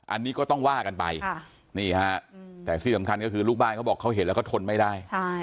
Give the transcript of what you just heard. อันนี้ก็ต้องว่ากันไปนี่ฮะแต่ที่สำคัญก็คือลูกบ้านเขาบอกเขาเห็นแล้วเขาทนไม่ได้